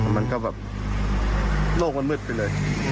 มันก็แบบโลกมันมืดไปเลย